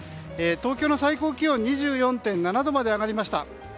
東京の最高気温２４．７度まで上がりました。